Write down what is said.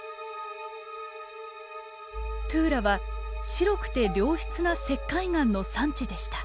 トゥーラは白くて良質な石灰岩の産地でした。